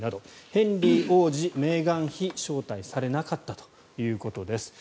ヘンリー王子、メーガン妃招待されなかったということです。